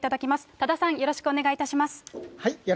多田さん、よろしくお願いいたします。